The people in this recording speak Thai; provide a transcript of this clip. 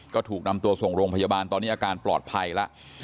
ก็ถูกนำตัวส่งโรงพยาบาลตอนนี้อาการปลอดภัยแล้ว